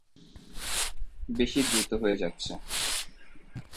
বেশি দ্রুত হয়ে যাচ্ছে।